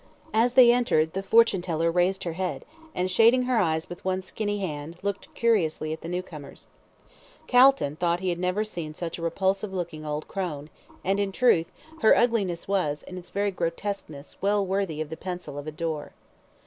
As they entered, the fortune teller raised her head, and, shading her eyes with one skinny hand, looked curiously at the new comers. Calton thought he had never seen such a repulsive looking old crone; and, in truth, her ugliness was, in its very grotesqueness well worthy the pencil of a Dore.